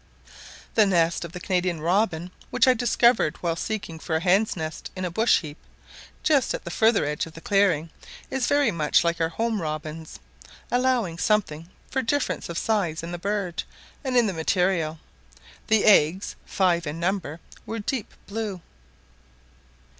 The nest of the Canadian robin, which I discovered while seeking for a hen's nest in a bush heap, just at the further edge of the clearing, is very much like our home robin's, allowing something for difference of size in the bird, and in the material; the eggs, five in number, were deep blue.